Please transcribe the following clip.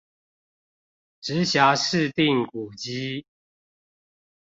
直轄市定古蹟